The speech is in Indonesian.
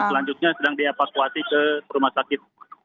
selanjutnya sedang dievakuasi ke rumah sakit